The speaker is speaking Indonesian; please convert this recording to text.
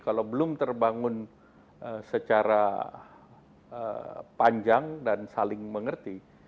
kalau belum terbangun secara panjang dan saling mengerti